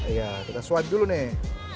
iya kita swab dulu nih